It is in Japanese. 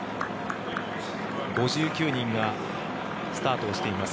５９人がスタートしています。